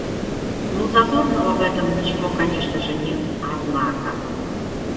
Ну, зазорного в этом ничего конечно же нет, однако...